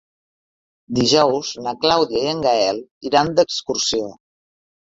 Dijous na Clàudia i en Gaël iran d'excursió.